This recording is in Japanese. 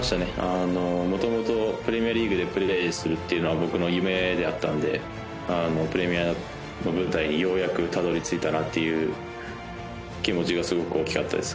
あのもともとプレミアリーグでプレーするっていうのは僕の夢であったんであのプレミアの舞台にようやくたどり着いたなっていう気持ちがすごく大きかったです